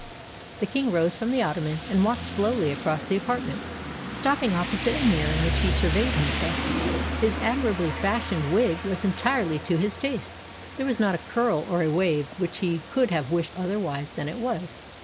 The King rose from the ottoman, and walked slowly across the apartment, stopping opposite a mirror in which he surveyed himself. His admirably fashioned wig was entirely to his taste: there was not a curl nor a wave which he could have wished otherwise than it was.